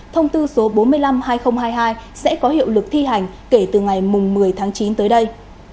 thông tư số bốn mươi năm hai nghìn hai mươi hai sẽ có hiệu lực thi hành kể từ ngày một mươi tháng chín tới đây